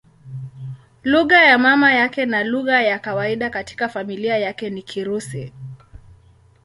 Lugha ya mama yake na lugha ya kawaida katika familia yake ni Kirusi.